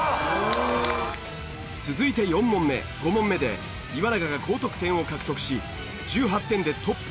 続いて４問目５問目で岩永が高得点を獲得し１８点でトップ。